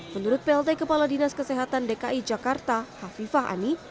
menurut plt kepala dinas kesehatan dki jakarta hafifah ani